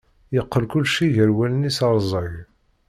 Yeqqel kulci gar wallen-is rẓag.